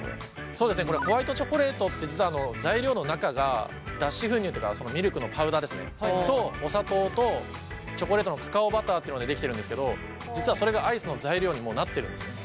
そうですねホワイトチョコレートって実は材料の中が脱脂粉乳とかミルクのパウダーですねとお砂糖とチョコレートのカカオバターっていうのでできてるんですけど実はそれがアイスの材料にもうなってるんですね。